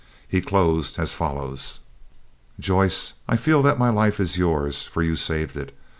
He closed as follows: "Joyce, I feel that my life is yours, for you saved it.